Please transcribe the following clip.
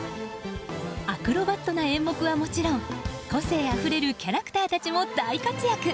アクロバットな演目はもちろん個性あふれるキャラクターたちも大活躍。